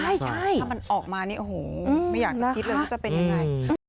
ถ้ามันออกมานี่โอ้โหไม่อยากจะคิดเลยว่าจะเป็นยังไง